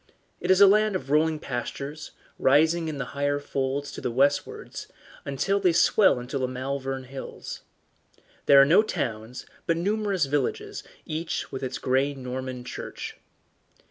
It is a land of rolling pastures, rising in higher folds to the westwards, until they swell into the Malvern Hills. There are no towns, but numerous villages, each with its grey Norman church.